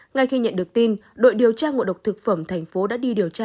ngay khi nhận được tin đội điều tra ngộ độc thực phẩm thành phố đã đi điều tra